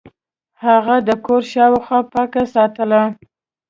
هغه د کور شاوخوا پاکه ساتله.